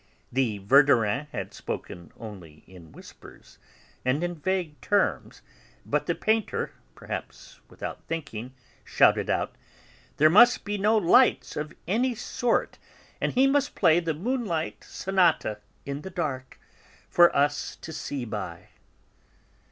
The Verdurins had spoken only in whispers, and in vague terms, but the painter, perhaps without thinking, shouted out: "There must be no lights of any sort, and he must play the Moonlight Sonata in the dark, for us to see by."